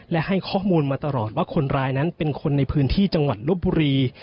และให้ข้อมูลมาตลอดว่าคนร้ายนั้นเป็นคนในพื้นที่จังหวัดลบบุรี